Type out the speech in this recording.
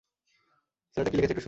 ছেলেটা কী লিখেছে একটু শোনো।